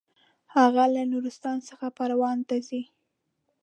هغه له نورستان څخه پروان ته ځي.